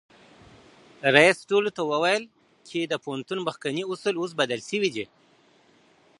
رئیس ټولو ته وویل چي د پوهنتون مخکني اصول اوس بدل سوي دي.